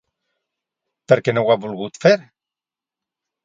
Per què no ho ha volgut fer?